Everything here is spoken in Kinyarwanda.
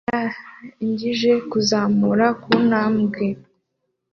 Umugabo yarangije kuzamuka kuntambwe